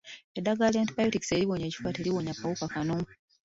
Eddagala lya Antibiotics eriwonya ekifuba teriwonya kawuka kono.